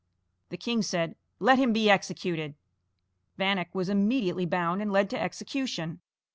The king said: "Let him be executed." Vanek was immediately bound and led to execution.